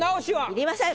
いりません！